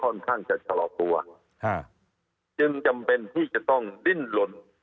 ค่อนข้างจะนะจึงจำเป็นที่จะต้องดิ้นหล่น